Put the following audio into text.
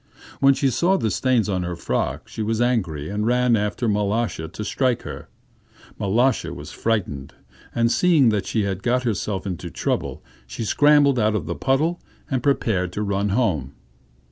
When she saw the stains on her frock, she was angry and ran after Mal√°sha to strike her. Mal√°sha was frightened, and seeing that she had got herself into trouble, she scrambled out of the puddle, and prepared to run home.